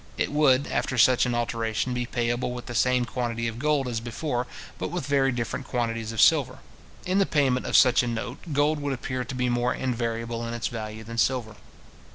It would, after such an alteration, be payable with the same quantity of gold as before, but with very different quantities of silver. In the payment of such a note, gold would appear to be more invariable in its value than silver.